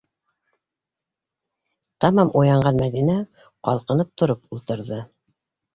Тамам уянған Мәҙинә ҡалҡынып тороп ултырҙы.